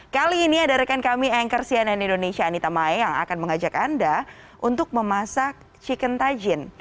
kali ini ada rekan kami anchor cnn indonesia anita mae yang akan mengajak anda untuk memasak chicken tajin